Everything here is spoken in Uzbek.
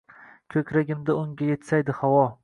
Ko‘kragimda unga yetsaydi, havo.